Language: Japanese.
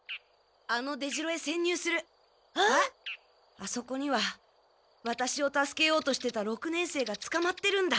あそこにはワタシを助けようとしてた六年生がつかまってるんだ。